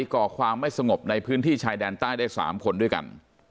ก่อความไม่สงบในพื้นที่ชายแดนใต้ได้๓คนด้วยกัน